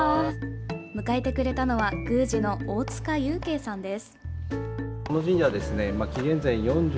迎えてくれたのは宮司の大塚祐慶さんです。